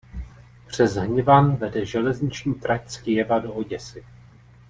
Přes Hnivan vede železniční trať z Kyjeva do Oděsy.